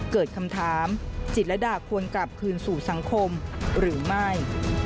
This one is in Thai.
เกิดคำถามจิตรดาควรกลับคืนสู่สังคมหรือไม่